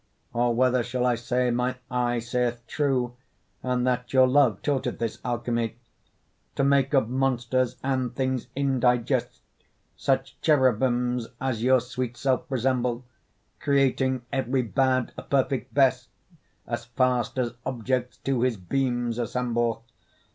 Or whether shall I say, mine eye saith true, And that your love taught it this alchemy, To make of monsters and things indigest Such cherubins as your sweet self resemble, Creating every bad a perfect best, As fast as objects to his beams assemble?